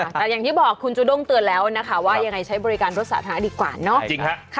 แต่อย่างที่บอกคุณจูด้งเตือนแล้วนะคะว่ายังไงใช้บริการรถสาธารณะดีกว่าเนาะ